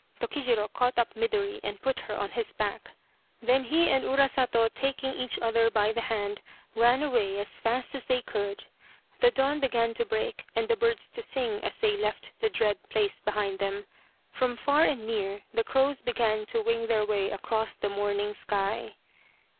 Tokijiro caught up Midori and put her on his back. Then he and Urasato taking 157 Urasato, or the Crow of Dawn each other by the hand ran away as fast as they could. The dawn began to break and the birds to sing as they left the dread place behind them. From far and near the crows began to wing their way across the morning sky.